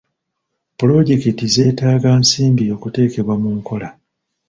Puloojekiti zeetaaga nsimbi okuteekebwa mu nkola.